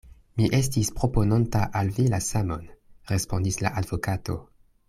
Mi estis propononta al vi la samon, respondis la advokato.